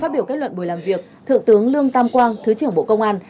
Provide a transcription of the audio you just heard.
phát biểu kết luận buổi làm việc thượng tướng lương tam quang thứ trưởng bộ công an